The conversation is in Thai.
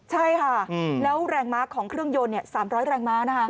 ใช่ค่ะอืมแล้วแรงม้าของเครื่องยนต์เนี่ยสามร้อยแรงม้านะคะ